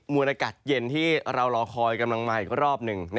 วนอากาศเย็นที่เรารอคอยกำลังมาอีกรอบหนึ่ง